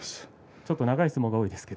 ちょっと長い相撲が多いですはい、